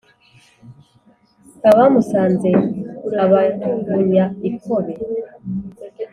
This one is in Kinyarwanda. Abamusanze abavunya ikobe